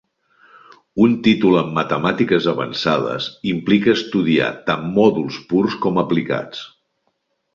Un títol en matemàtiques avançades implica estudiar tant mòduls purs com aplicats.